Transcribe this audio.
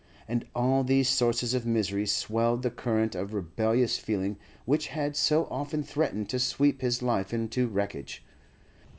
And all these sources of misery swelled the current of rebellious feeling which had so often threatened to sweep his life into wreckage.